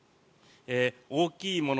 大きいもの